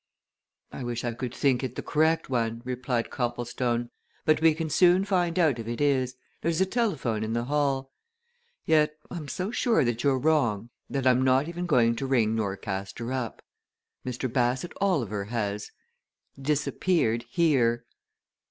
"I wish I could think it the correct one," replied Copplestone. "But we can soon find out if it is there's a telephone in the hall. Yet I'm so sure that you're wrong, that I'm not even going to ring Norcaster up. Mr. Bassett Oliver has disappeared here!"